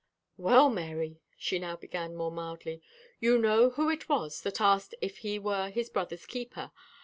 "Well, Mary," she now began more mildly, "you know who it was that asked if he were his brother's keeper.